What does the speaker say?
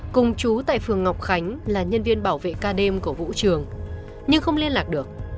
cùng chú tại phường ngọc khánh là nhân viên bảo vệ ca đêm của vũ trường nhưng không liên lạc được